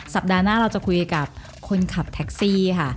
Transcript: สัปดาห์หน้าเราจะคุยกับคนขับแท็กซี่ค่ะ